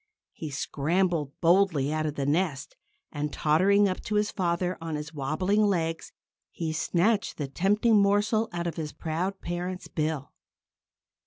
He scrambled boldly out of the nest; and tottering up to his father on his wobbling legs, he snatched the tempting morsel out of his proud parent's bill.